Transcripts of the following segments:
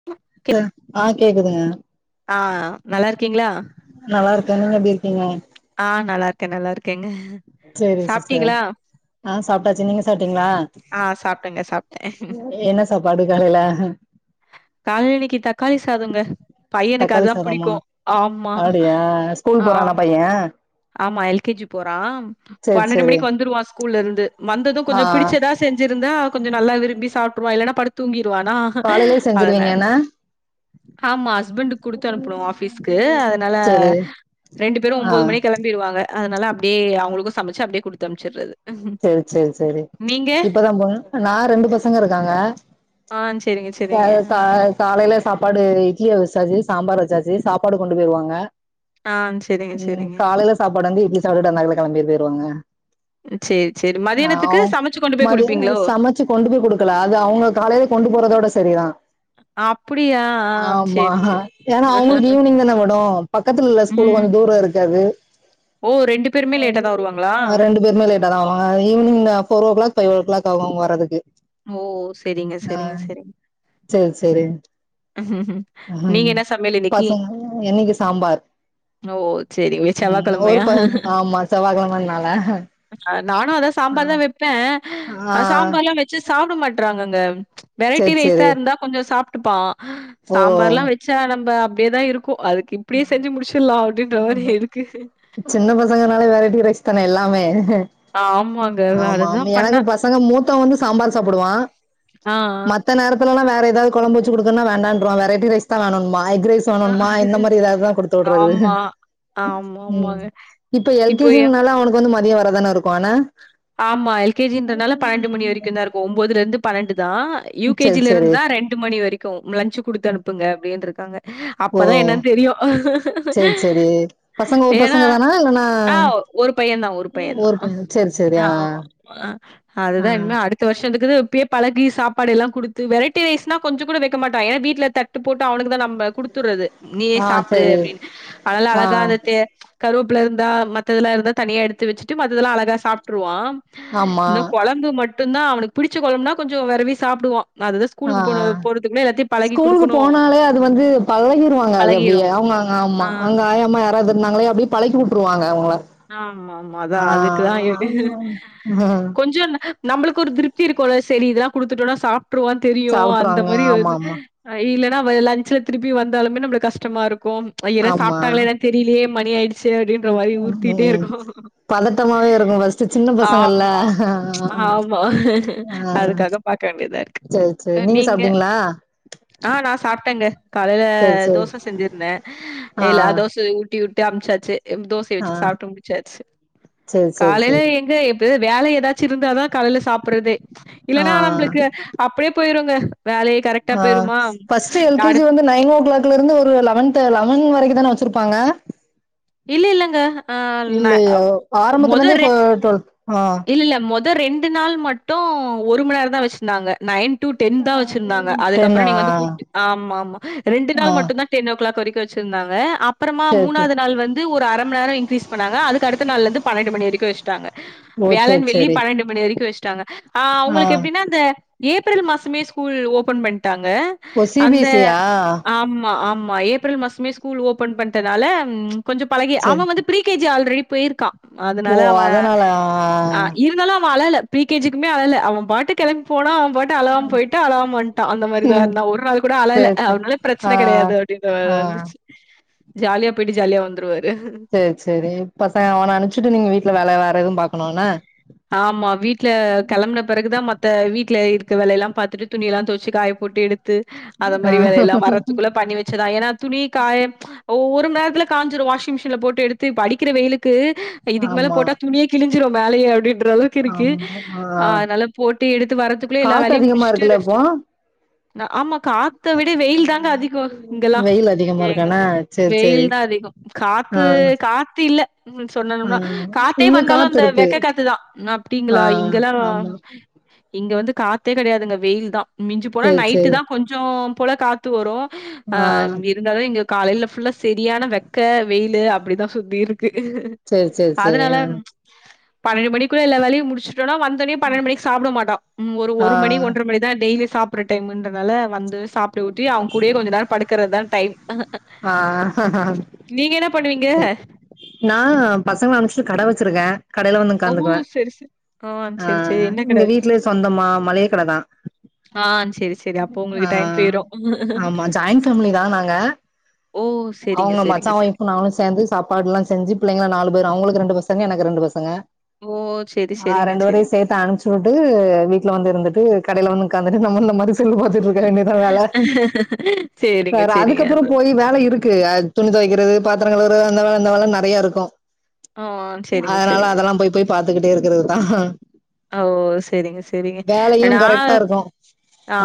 [inaudible] அ ஆ கேக்குதுங்க ஆ நல்லா இருக்கீங்களா நல்லா இருக்க நீங்க எப்டி இருக்கீங்க ஆ நல்லா இருக்கே நல்லா இருக்கேங்க சேரிங் சிஸ்டர் சாப்ட்டீங்களா? ஆ சாப்ட்டாச்சு நீங்க சாப்ட்டீங்களா ஆ சாப்ட்டங்க சாப்ட்ட என்ன சாப்பாடு காலைல கால்லனிக்கி தக்காளி சாதோங்க பையனுக்கு தக்காளி அதா சாதமா புடிக்கு ஆமா ஆம் ஆ ஆமா எல்கேஜி போறா சேரி பன்னெண்டு சேரி மணிக்கு வந்துருவா ஸ்கூல்லருந்து வந்தது ஆ கொஞ்ச பிடிச்சதா அ செஞ்சிருந்தா கொஞ்ச நல்லா விரும்பி சாப்ட்ருவா இல்லன்னா படுத் தூங்கிர்வானா காலையிலயே அதனா செஞ்சிருவீங்க என்ன ஆமா ஹஸ்பண்டுக் குடுத்து அனுப்பனு ஆபீஸ்க்கு அதனால சேரி ரெண்டு பேரு ஆ ஒம்பது மணிக் கிளம்பிருவாங்க அதனால அப்டியே அவுங்ளுக்கு சமச்சு அப்டியே குடுத்து அனுப்ச்சிற்றது சேர் சேர் சேரி இப்பதா போ நா ரெண்டு பசங்க இருக்காங்க ஆன் சரிங்க சரிங்க ஆ காலையல சாப்பாடு இட்லிய வச்சாச்சு சாம்பாரு வச்சாச்சு சாப்பாடு கொண்டு போய்ருவாங்க ஆ சரிங்க, ம் சரிங்க. காலைல சாப்பாடு வந்து இட்லி சாப்ட்டு அவ்ளதா கிளம்பி போயிருவாங்க சேர் சேர் ஆ மதி சமச்சு கொண்டு போய் குடுக்கல அது அவுங்க காலைல கொண்டு போறத விட சரிதா அப்டியா ஆமா ஏன்னா அவுங்ளுக் ஈவ்னிங் தானே ஓடு பக்கத்துல இல்ல ஸ்கூல் ம். கொஞ்ச தூரோ இருக்கு அது ஓ ரெண்டு பேருமே லேட்டா தா வருவாங்களா ரெண்டு பேருமே லேட்டா தா வருவாங்க evening four o'clock five o'clock ஆகு அவங்க வற்றதுக்கு ஓ செரிங்க செரிங்க செரிங் செரி செரி நீங்க ம் என்ன சமையல் இன்னைக்கு? பசங்க என்னைக்கு சாம்பார் ஓ! சரிங்க. ம் ஒரு செவ்வாய்க்கிழமையா? ப ஆமா செவ்வா கெழமனால அ நானு அதா சாம்பார் தா வெப்பே ஆ சாம்பார்லா வச்சு சாப்ட மாட்றாங்கங்க வெரைட்டி சேரி ரைஸா சேரி இருந்தா கொஞ்சோ சாப்டுப்பா ஓ சாம்பார்லா வச்சா நம்ப அப்டியேதா இருக்கு அதுக் இப்டியே செஞ்சு முடுச்சிடலா அப்டின்ற மாரி இருக்கு சின்ன பசங்கனாலே வெறைட்டி ரைஸ் தானே எல்லாமே ஆமாங்க ஆமா ஆம அதுதான் எனக் பண்ணா பசங்க மூத்த வந்து சாம்பார் சாப்டுவா ஆ ஆ இல்லனா வேற எதாது கொழம்பு வச்சு கொடுக்கனா வேண்டான்றுவா வெரைட்டி ரைஸ் தா வேனுன்பா எக் ரைஸ் ஆ. வேணுன்பா இந்த மாரி இல்ல அதா கொடுத்து விட்றது ஆமா. ஆமா, ம் ஆமாங்க. இப்ப எல் கே இப்போ ஜி எ அவனுக் வந்து மதியொ வரதான இருக்கு அன ஆமா எல் கே ஜி ன்றனால பன்னெண்டு மணி வரைக்கு தா இருக்கு ஒம்போதுல இருந்து பன்னெண்டு தா யூ கே செரி ஜி ல செரி இருந்துதா ரெண்டு மணி வரைக்கு லன்ஞ் குடுத்து அனுப்புங்க அப்டினு இருக்காங்க ஓ அப்பதா என்னன்னு தெரியு செரி செரி பசங்க ஒரு ஏனா பசங்க தானா இல்லன்னா ஆ ஒரு பைய தா ஒரு பைய தா செரி செரி ஆ ஆ அதுதா இனிமே அடுத் த வர்ஷத்துக்கு இப்பயே பழகி சாப்பாடு எல்லா குடுத்து வெரைட்டி ரைஸ்னா கொஞ்சோ கூட வக்க மாட்டா ஏனா வீட்ல தட் டு போட்டு அவனுக்கு தா நம்ம குடுத்துறது நீயே ஆ சாப்டு செரி அப்டின்னு அதனால ஆ அழகா அந்த தே கருவப்ல இருந்தா மத்ததுல இருந்தா தனியா எடுத்து வச்சுட்டு மத்ததுல்லா அழகா சாப்ட்ருவா ஆமா இன்னு கொழ ம்பு மட்டுந்தா அவனுக்கு புடிச்ச கொழம்புனா கொஞ்சோ வெரவி சாப்டுவா ஆ ஸ்கூலுக்கு போனா ஆ போறதுக்குலே ஸ்கூலுக்கு போனாலே அது வந்து பழகிருவாங்க அது அப்டியே பழகிரும். அவங்கங்க ஆ. ஆமா அங்க ஆயம்மா யாராது இருந்தாங்களே அப்டியே பழக்கிவுட்ருவாங்க அவுங்கள ஆமா ஆமா அதா அதுக்குதா எது ஆ கொஞ்சோ நம்மளுக்கு ஒரு திருப்தி இருக்குல செரி இதெல்லா குடுத்துட்டோனா சாப்ட்ருவான்னு தெரியு அந்த சாப்ட்ருவாங்க மாரி ஆமா இது ஆமா இல்லனா லஞ்ல திருப்பி வந்தாலுமே நம்மளுக்கு கஷ்டமா இருக்கு வயிற ஆமா சாப்ட்டாங்களா என்னனு தெரிலையே மணி ஆயிடுச்சு அப்டின்ற மாரி ம் உருத்திட்டே ம் இருக்கு பதட்டமாவே இருக்கு ஃபஸ்ட்டு சின்ன பசங்கள்ல ஆமா ஆமா ஆ ஆ அதுக்காக பாக்க வேண்டியதா இருக்கு சேரி சேரி நீங்க சாப்ட்டீங்களா ஆ நா சாப்ட்டேங்க காலைல சேரி சேரி தோச செஞ்சிருந்தே ஆ எல்லா தோச ஊட்டி விட்டு அமுச்சாச்சு எம் தோசைய ஆ வச்சு சாப்ட்டு முடிச்சாச்சு சேரி சேரி காலையில சேரி எங்க எப் து வேல ஏதாச்சு இருந்தாதா கலைல சாப்டுறதே ஆ இல்லனா நம்ளுக்கு அப்டியே போயிருங்க வேலையே கரெக்டா போயிருமா யாருக் நயனோ ஓ கிளாக்ல இருந்து ஒரு லவன்த் லவன் வரைக்கு தானே வச்சிருப்பாங்க இல்ல இல்லங்க ஆ ந இல்லையோ ஆரம்பத்துல இருந்தே ஃபோ டொல் ஆ இல்லல்ல மொத ரெண்டு நாள் மட்டு ஒரு மண் நேரந்தா வச்சிந்தாங்க நயன் டூ டென் தா வச்சிருந்தாங்க டென்னா அதுக்கப்றோ நீங்க வந்து கூப்டு ஆமா ஆமா ரெண்டு ஆ நாள் மட்டுந்தா டென் ஓ கிளாக் வரைக்கு வச்சிருந்தாங்க அப்பறமா சேரி சேரி மூணாது நாள் வந் து ஒரு அர மண் நேரோ இன்கிரீஸ் பண்ணாங்க அதுக்கடுத்த நாள்லந்து பன்னெண்டு மணி வரைக்கு வச்டாங்க ஓ வியாழன் சேரி வெள்ளி சேரி பன்னெண்டு மணி வரைக்கு வச்ட்டாங்க ஆ அவுங்களுக்கு எப்டின்னா இந்த ஏப்ரல் மாசமே ஸ்கூல் ஓபன் பண் ட்டாங்க ஓ சி பி அந்த எஸ் சி யா ஆமா ஆமா ஏப் ஏப்ரல் மாசமே ஸ்கூல் ஓபன் பண்டதால கொஞ்ச பழகி சேரி அவ வந்து ப்ரீ கேஜி ஆல்ரெடி போயிருக்கா ஓ அதனால அவ அதனால ஆ ஆ இருந்தாலு அவ அழல பி கேஜிக்குமே அழல அவ பாட்டுக்கு கெளம்பி போனா அவ பாட் டு அழலாம போயிட்டு அழலாம வண்ட்டா அந்த மாரிதா ம் இருந்தா ஒரு நாள் கூட அழல சேரி சேரி அவனாலே ஆ பிரச்சன கெடையாது அப்டின்ற ஆ மாரிதா இருந்துச்சு ஜாலியா போயிட்டு ஜாலியா வந்துருவாரு சேரி சேரி பசங்க அவன அனுப்புச்சிட்டு நீங்க வீட்ல வேல வேற எதுவு பாக்கணு என்ன ஆமா வீட்ல கெளம்பன பெறகுதா மத்த வீட்ல இருக்க வேல எல்லா பாத்துட்டு துணி எல்லா துவச்சு காய போட்டு எடுத்து அத ஆ மாரி வேலயெல்லா வரத்துக்குள்ள பண்ணி வச்சதா ஏனா துணி காயப் ஒ ஒரு மண் நேரத்துல காஞ்சுரு வாஷிங் மிஷின்ல போட்டு எடுத்து இப்ப அடிக்கிற வெயிலுக்கு இதுக்கு மேல ஆமா போட்டா துணியே கிழஞ்சுரு மேலயே அப்டின்ருவாங்க இருக்கு ஆ அதனால போட்டு எடுத்து வர்றதுக்குள்ளே எல்லா காத்து வேலையு அதிகமா முடிச்சுட்டு இருக்குல்ல ரெஸ்ட் இப்போ நா ஆமாங் காத்த விட வெயில் தாங்க அதிகோ இங்கெல்லா வெயில் அதிகமா இருக்கு ஏங்க என்ன சேரி வெயில் சேரி தா அதிகோ காத்து ஆ காத்து இல்ல ம் ஆ சொன்னணும்னா காத்தே இங்க வந்தாலு காத்து அந்த இருக்கு வெக்க காத்துதா ஆ அப்டிங்களா இங்கெல்லா ஆமா இங்க வந்து காத்தே கெடையாதுங்க வெயில் தா மிஞ்சு போனா சேரி நைட்டு சேரி தா கொஞ்சம் போல காத் து வரு ஆ ம் எத் இருந்தாலு இங்க காலையில புல்லா செரியான வெக்க வெயிலு அப்டிதா சுத்தி இருக்கு சேரி சேரி சேரி அதனால ஆ பன்னெண்டு மணிக்குள்ள எல்லா வேலையு முடிச்சுட்டோனா வந் பன்னெண்டு மணிக்கு சாப்பிட மாட்டோ ஒரு மணி ஒன்றரை ஆ மணிதா டெய்லி சாப்புற டைமுன்றதால வந்து சாப் டியூட்டி அவங்க கூடயே கொஞ்ச நேரோ படுக்கறதா டைம் ஆ நீங்க என்ன பண்ணுவீங்க நா பசங்கள அனுப்புச்சிட்டு கடை வெச்சிருக்கே கடையில வந்து ஓ! உக்காந்துக்குவ சரி, சரி. ஆ சரி, சரி. என்ன கடை இங்க வச்சிருக்கீங்க? வீட்லயே சொந்தமா மளிக்க கடைதா ஆ சரி, சரி. அப்போ ஆ உங்களுக்கு டைம் போயிரும். ஆமா ஜாயிண்ட் ஃபேமிலி தா நாங்க ஓ! சரிங்க, அவுங்க மச்சா சரிங்க, சரி. வைஃப் நாங்களு சேர்ந்து சாப்பாடு எல்லா செஞ்சு பிள்ளைங்கள நாலு பேரு அவ்ங்களுக்கு ரெண்டு பசங்க எனக்கு ரெண்டு பசங்க ஓ! சரி, ஆ சரிங்க, ரெண்டு சரி. பேரையு சேத் அனுப்புச்சிவுட்டு வீட்ல வந்து இருந்துட்டு கடையில வந்து உக்காந்துட்டு நம்ம இந்த மாரி செல்லு பாத்துட்டு இருக்க வேண்டியதா வேல சேரிங்க சேரிங்க அது த்தி வேல இருக்கு துணி தொவைக்கிறது பாத்திர கழுவுறது அந்த வேல இந்த வேலன் நெறைய இருக்கு ஓ! சரிங்க, அதனால சரிங்க. அதல்லா போய் போய் பாத்துக்கிட்டே இருக்கறதுதா அ ஓ சேரிங்க சேரிங்க நா கரெக்டா இருக்கும்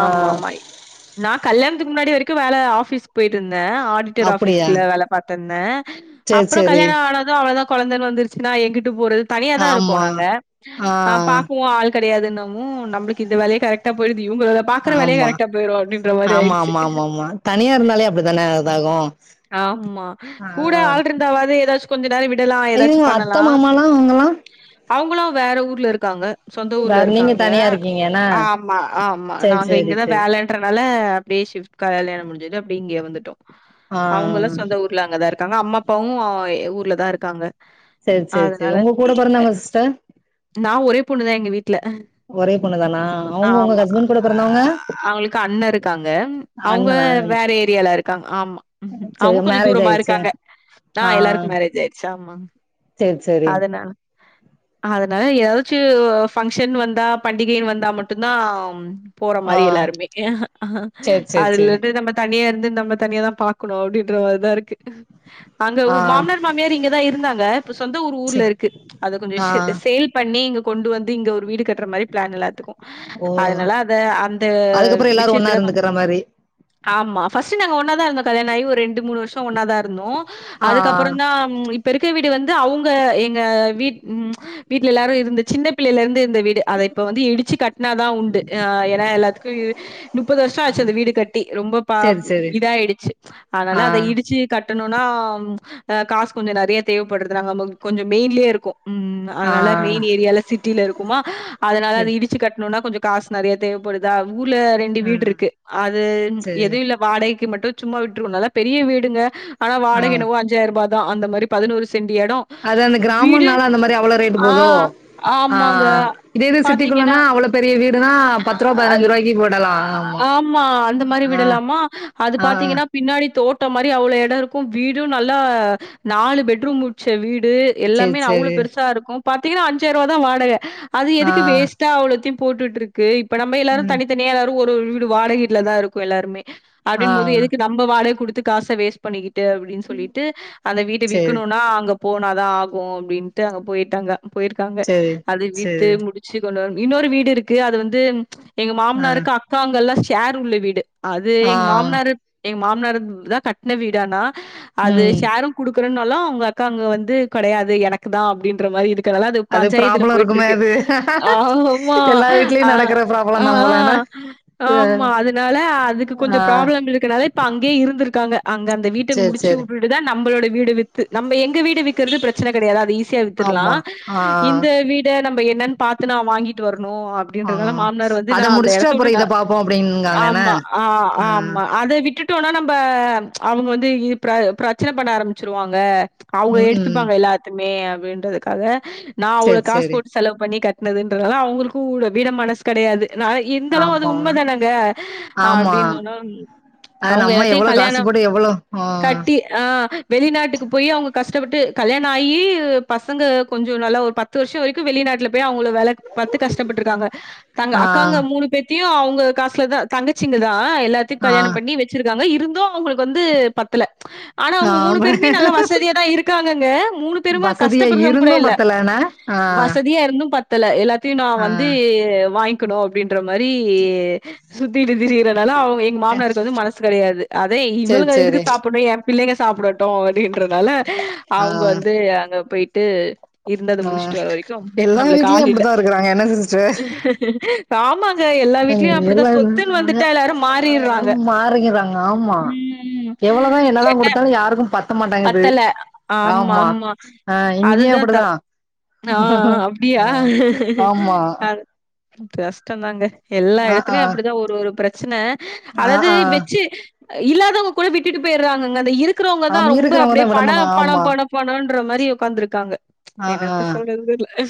ஆ நா கல்யணத்துக்கு முன்னாடி வரைக்கு வேல ஆபிஸ் போயிட்டுருந்தே ஆடிட்டர் அப்படியா ஆஃபிஸ்ல வேல பாத்திந்தே சேரி அப்புற சேரி கல்யாணோ ஆனது அவ்ளோதா கொழந்த வந்துருச்சுன்னா எங்குட்டு போறது தனியா தா இருக்கோ ஆமா நாங்க ஆ இப்பவு ஆள் கெடையாதுன்னவு நம்ளுக்கு இந்த வேலையே கரெக்டா போயிடுது இவங்கள பாக்கற வேலையே ஆமா கரெக்டா போயிடு அப்டின்ற மாரி ஆமா ஆயிடுச்சி ஆமா ஆமா ஆமா தனியா இருந்தாலே அப்டித்தானே அதாகு ஆம்மா கூட ஆள் இருந்தாவது ஏதாச்சு கொஞ்ச நேரோ விடலா ஐயோ ஏதாச்சும் அத்த பண்ணலா மாமாலாம் அவங்கல்லாம் அவங்களும் வேற ஊர்ல இருக்காங்க சொந்த வேற ஊர்ல நீங்க இருக்காங்க தனியா இருக்கீங்க என்ன ஆம்மா ஆம்மா சேரி நாங்க சேரி இங்கதா சேரி வேல ங்கறனால அப்டியே ஷிப்ட் கல்யாண முடிஞ்சுட்டு அப்டியே இங்கயே வந்துட்டோ ஆ அவங்கல்லா சொந்த ஊர்ல அங்கதா இருக்காங்க அம்மா அப்பாவு ஊர்ல தா இருக்காங்க சேர் சேர் சேரி உங்க கூட பொறந்தவங்க சிஸ்டர் நா ஒரே பொண்ணுதா எங்க வீட்ல ஒரே பொண்ணு தானா அவுங்க உங்க ஆமா. ஹஸ்பண்ட் கூட பெறந்தவங்க அவங்களுக்கு அண்ண இருக்காங்க அவங்க வேற ஏரியால இருக்காங்க ஆமா சரி அவுங்க கொஞ்ச மேரேஜ் தூரமா ஆயிருச்சு இருக்காங்க ஆ அங் எல்லாருக்கு மேரேஜ் ஆயிருச்சு ஆம்மா சரி சரி னால அதனால எதாச்சு ஃபங்க்ஷன் வந்தா பண்டிகைன்னு வந்தா மட்டுந்தா ம் போற ஆ மாரி எல்லாருமே சரி சரி சரி அதுலந்து நம்ம தனியா இருந்து நம்ம தனியா தா பா க்கணு அப்டின்ற மாரிதா இருக்கு அங்க ஆ மாமனார் மாமியார் இங்கதா இருந்தாங்க சொந்த ஊரு ஊர்ல சரி இருக்கு அத கொஞ்ச ஆ எஸ் சேல் பண்ணி இங்க கொண்டு வந்து இங்க ஒரு வீடு கட்ற மாரி பிளான் எல்லாத்துக்கு ஓ அதுனால அத அந்த அதுக்கப்புறம் எல்லாரும் ஒன்னா விஷயத்துல நா இருந்துக்கிற மாரி ஆமா ஃபஸ்ட்டு நாங்க ஒன்னாதா இருந்தோ கல்யாணம் ஆயி ஒரு ரெண்டு மூணு வருஷம் ஒன்னாதா இருந்தோ ஆ அதுக்கப்பறந்தா ம் இப்ப இருக்குற வீடு வந்து அவுங்க எங்க வீட் ம் வீட்ல எல்லாரு இருந்து சின்ன பிள்ளையிலருந்து இருந்த வீடு அத இப்ப வந்து இடிச்சி கட்னாதா உண்டு அ ஏனா எல்லாத்துக்கு முப்பது வர்ஷோ ஆச்சு அந்த வீடு கட்டி ரொம்ப பா சரி சரி இதாய்டுச்சு ஆ அதனால அத இடிச்சு கட்டனுனா ஆ காசு கொஞ்சொ நறைய தேவப்பட்ர்து நாங்க கொஞ்சோ மெயின்லே இருக்கோ ம் ஆ அதனால மெயின் ஏரியால சிட்டில இருக்கோமா அதனால சரி அது இடிச்சி கட்னுனா கொஞ்சொ காசு நறையா தேவப்படுதா ஊர்ல ரெண்டு ம் வீட்ருக்கு அது சரி எது இல்ல வாடக்கி மட்டு சும்மா விட்ருவோ நல்லா பெரிய வீடுங்க ஆனா ஆ வாடக என்னவோ அஞ்சாயி ரூபா தா அந்த மாரி பதினோரு சென்டு எடோ அது அந்த வீடு கிராமம்னால அந்த மாரி அவ்வளோ ரேட்டு ஆ போதோ ஆ ஆமாங்க இதே இது பாத்தீங்கன்னா சிட்டிக்குள்ளனா அவ்வளோ பெரிய வீடுனா பத்து ரூபா பதினஞ்சு ரூபாய்க்கு போடலாம் ஆமா அந்த மாரி ஆ விடலாமா அது ஆ ஆ பாத்தீங்கன்னா பின்னாடி தோட்டோ மாரி அவ்ளோ எடோருக்கும் வீடு நல்லா நாலு பெட்ரூம் வச்ச வீடு சேரி எல்லாமே அவ்ளோ சேரி பெருசாருக்கு பாத்தீங்னா அஞ்சாயிரூவா தா வாடக அது ஆ எதுக்கு வேஸ் ட்டா அவ்ளத்தையு போட்டுட்ருக்கு இப்ப நம்ப எல்லாரு ம் தனித்தனியா எல்லாரு ஒரொரு வீடு வாடக வீட்ல தா இருக்கோ எல்லாருமே ஆ அப்டின் போது எதுக்கு நம்ப வாடக குடுத்து காச வேஸ்ட் பண்ணிக்கிட்டு அ ப்டின் சொல்லிட்டு அந்த வீட்ட சேரி விக்னுன்னா அங்க போனாதா ஆகு அப்டின்ட்டு அங்க போய்ட்டாங்க போய்ரு க்காங்க சேரி அது சேரி வித்து முடிச்சு கொண்டு வரு இன்னொரு வீடு இருக்கு அது வந்து எங்க ஆ மாம்னாருக்கு அக் காங்கல்லா ஷேர் உள்ள வீடு அது ஆ எங்க மாம் எங்க மாம்னார் தா கட்ன வீடு ஆனா அது ம் ஷேரும் குடுக்றேனாலு அவுங்க அக்காங்க வந்து கெடயாது எனக்கு தா அப்டின்ற மாரி இரு க்கனால அது பஞ்சாயத்துல ப்ராப்ளம் இருக்குமே போய்ட்ருக்கு அது ஆமா எல்லா வீட்லயு அ நடக்கற ப்ராப்ளம் ஆ தா போல என்ன ஆமா அதுனால அதுக்கு ஆ கொஞ்சோ ஆ ப்ராப்ளம் இருக்கனால இப்ப அங்கே இருந்துருக்காங்க அங்க அந்த வீட்ட சேரி முடிச்சு சேரி வுட் டுட்டு தா நம்பளோட வீட வித்து நம்ப எங்க வீடு விக் கற்து பிரச்சன கெடயாது அது ஈஸியா வித்துர்லா ஆமா ஆ இந்த வீ ட்ட நம்ப என்னன் பாத்து நா வாங்கிட்டு வர்ணு அ ஆ ப்டின்றதால மாம்னாரு வந்து அத நா அந்த முடிச்சுட்டு அப்புறோ எடத்தவுட்டு ந இத பாப்போ அப்டின்னுங்காங்க என்ன ஆமா ஆ ஆம் அத விட்டுட்டோன்னா நம்ப அவுங்க வந்து இ பிர பிரச்சன பண்ண ஆரம்மிச்சுருவாங்க அவுங்க ம் ம் எடுத்துப்பாங்க எல்லாத்துமே அப்டின்றதுக்காக நா அவ்ளோ சேரி காசு சேரி போட்டு செலவு பண்ணி கட்னதுன்றதால அவுங்ளுக்கு வூட விட மனசு கெடயாது ந இந்தாலு அது ஆமா உண்ம தானங்க ஆமா அப்டின்னனன் அது அவுங்க நம்ம யார்ட்டயு எவ்ளோ காசு கல்யாணம் போட்டு எவ்ளோ ஆ கட்டி ஆ வெளிநாட்டுக்கு போயி அவுங்க கஷ்டப்பட்டு கல்யாணோ ஆயி பசங்க கொஞ்சொ நல்லா ஒரு பத் த்து வர்ஷோ வரைக்கு வெளிநாட்ல போயி அவுங்கள வேல பாத்து கஷ்டப்பட்ருக்காங்க தங்க ஆ அக்காங்க மூனு பேத்தயு அவுங்க காசுல தா தங்கச்சிங்க தா எல்லா ஆ கல்யாணொ பண்ணி வச்சிருக்காங்க இருந்து அவுங்களுக்கு வந்து பத்தல ஆனா ஆ அவுங்க மூனு பேருமே நல்லா வசதியா தா இருக்காங்கங்க மூனு பேருமே வசதியா கஷ்டப்பட்றோங்கூட இருந்து இல்ல பத்தலன ஆ வசதியா இருந்து பத் த்தல எல்லாத்தியு நா ஆ வந்து வாய்ன் க்னு அப்டின்ற மாரி சுத்திட்டு திரிறனால அவுங் எங் மாம் னாருக்கு வந்து மனசு கெடயாது அதே சேரி இவள்ங்க எதுக்கு சேரி சாப்புனு எ பிள்ளைங்க சாப்டட்டு அப்டின்றனால ஆ அவுங்க வந்து அங்க போய்ட்டு ஆ எல்லா வீட்லயு ஆள் இல்ல. அப்டிதா இருக்குறாங்க என்னங்க சிஸ்டர் ஆமாங்க எல்லா ஆ வீட்லயும் எல்லா அப்டிதான் சொத்துன்னு வந்துட்டா எல்லாரும் மாறிர்றாங்க. மாறிக்கிறாங்க ஆமா ம். எவ்ளதா என்னதா எனக்கு குடுத்தாலு யாருக்கு ப த்த மாட்டேங்கிது பத்தல. ஆமா ஆ இங்கியு அதுதான் அப்டிதா தப் ஆ ஆ அப்டியா ஆ ஆமா அ கஷ் டந்தாங்க எல்லா ஆ ஆ எடத்துலயு அப்டிதா ஒரு ஒரு பிரச்சன ஆ அதாவ்து ஆ வெச்சு இல்லாதோங்க கூட விட்டுட்டு போய்றாங்கங்க அந்த இருக்குறோங்க தா ஆமா ரொம்ப அப்டியே இருக்கிறவங்கதா விட பணொ மாட்டாங்க பணொ ஆமா பணொ பணோன்ற மாரி ஒக்காந்துருக்காங்க அ ஆ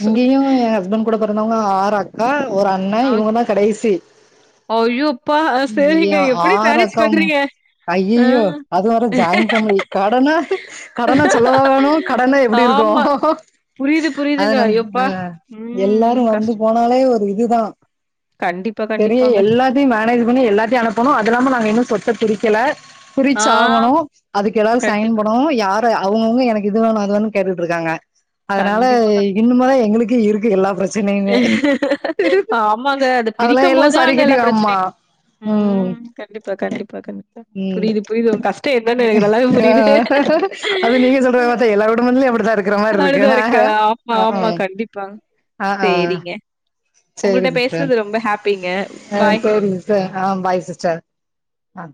இங்கயு எ ஹஸ்பண்ட் கூட பொறந்தவ்ங்க ஆறு அக்கா ஒரு அண்ண அவ் இவ்ங்க தா கடைசி தி ஐயோ அப்பா ஆ சேரிங்க எப்டி மேனேஜ் பண்றீங்க ஆ. ஐயய்யோ அது வேற ஜாயின்ட் ஃபேமிலி கடனா கடன சொல்லவா வேணு கடன்னா எப்டி இருக்கு ஆமா. புரியுது புரியுதுங்க அதனால ஐயோப்பா ஆ ம் எல்லாரு வந்து கஷ்ட போனாலே கண்டிப்பா கண்டிப் கு எல்லாத்தையு மேனேஜ் பண்ணி எல்லாத்தையு அனுப்பனு அது இல்லாம நாங்க இன்னு சொத்த பிரிக்கல ஆ. பிரிச்சாகணு அதுக்கு எல்லாரு சைன் கண்டிப் போடணு யாரு அவுங்கவுங்க எனக்கு இது வேணு அது வேணு கேட்டுட்ருக்காங்க அதனால கண்டிப்பா, கண்டிப் இன்னுமேதா எங்களுக்கு இருக்கு எல்லா பிரச்சனையுமே ஆமாங்க அத அதெல்லா பிரிக்கம் எல்லா போதுதா சரி அங்க கட்டி எல்லா ஆமா பிரச்சனையு ம் கண்டிப்பா கண்டிப்பா கண்டிப்பா ம் புரியுது புரியுது உங்க கஷ்ட என்னனு எனக்கு நல்லாவே ஆ புரியுது அது நீங்க சொல்றத பாத்தா எல்லா குடும்பத்துலயு அப்டிதா இருக்குற மாரி இருக்கு ஏனா ம் ம் ண்டிப்பா அ ஆ சேரி உங்கள்ட்ட சிஸ்டர் பேசுனது ரொம்ப ஹாப்பிங்க. அ பாய். சேரி சிஸ் சேரி ஆ பாய் சிஸ்டர் ஆ